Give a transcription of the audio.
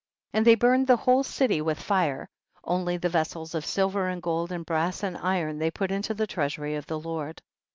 22. And thev burned the whole city with fire ; only the vessels of silver and gold, and brass and iron, they put into the treasury of the Lord.